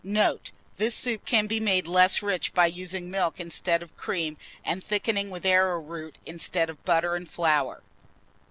Note. This soup can be made less rich by using milk instead of cream, and thickening with arrowroot instead of butter and flour.